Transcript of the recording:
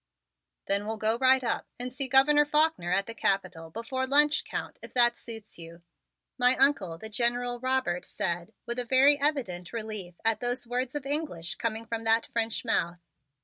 "Then we'll go right up and see Governor Faulkner at the Capitol before lunch, Count, if that suits you," my Uncle, the General Robert, said with a very evident relief at those words of English coming from that French mouth.